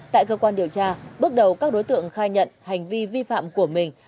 tại cơ quan điều tra bước đầu các đối tượng khai nhận hành vi vi phạm của mình